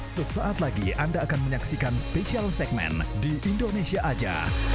sesaat lagi anda akan menyaksikan spesial segmen di indonesia aja